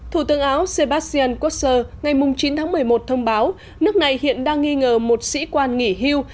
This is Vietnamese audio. thủ tướng áo sebastian kuter ngày chín tháng một mươi một thông báo nước này hiện đang nghi ngờ một sĩ quan nghỉ hưu